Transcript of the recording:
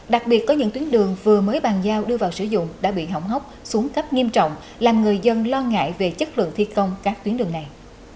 đặc biệt có những tuyến đường vừa mới bàn giao đưa vào sử dụng đã bị hỏng hóc xuống cấp nghiêm trọng làm người dân lo ngại về chất lượng thi công các tuyến đường này